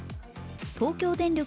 東京電力